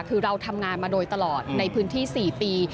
คือเราทำงานมาโดยตลอดในพื้นที่๔ปี